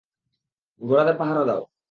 ঘোড়াদের পাহারা দাও।